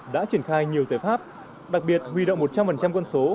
đã triển khai nhiều giải pháp đặc biệt huy động một trăm linh quân số